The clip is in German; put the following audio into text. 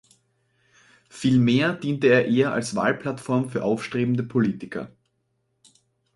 Vielmehr diente er eher als Wahlplattform für aufstrebende Politiker.